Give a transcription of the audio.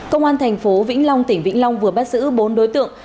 công an thành phố vĩnh long tỉnh vĩnh long vừa bắt giữ bốn đối tượng